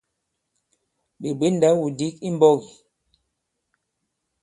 Ɓè bwě ndaw-wudǐk i mbɔ̄k ì ?